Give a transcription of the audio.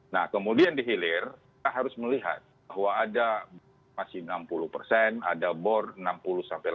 nah kemudian di hilir kita harus melihat bahwa ada masih enam puluh persen ada bor enam puluh sampai delapan ratus